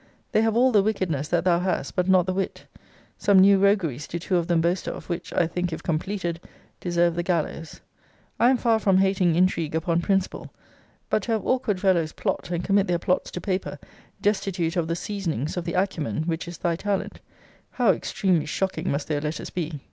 They have all the wickedness that thou hast, but not the wit. Some new rogueries do two of them boast of, which, I think, if completed, deserve the gallows. I am far from hating intrigue upon principle. But to have awkward fellows plot, and commit their plots to paper, destitute of the seasonings, of the acumen, which is thy talent, how extremely shocking must their letters be!